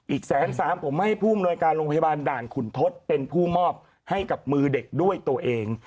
อีกแสนสามผมให้ผู้อำนวยการโรงพยาบาลด่านขุนทศเป็นผู้มอบให้กับมือเด็กด้วยตัวเอง